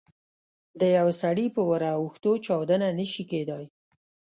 د یوه سړي په ور اوښتو چاودنه نه شي کېدای.